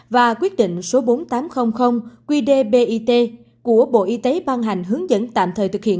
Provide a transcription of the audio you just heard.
và quyết định số bốn nghìn tám trăm linh qdbit của bộ y tế ban hành hướng dẫn tạm thời thực hiện